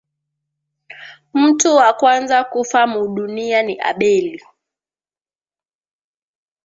Mutu wa kwanza kufa mu dunia ni Abeli